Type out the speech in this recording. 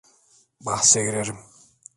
Bahse girerim.